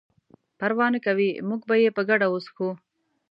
پروا نه کوي موږ به یې په ګډه وڅښو.